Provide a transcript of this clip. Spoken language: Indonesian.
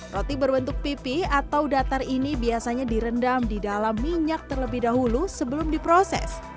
roti berbentuk pipi atau datar ini biasanya direndam di dalam minyak terlebih dahulu sebelum diproses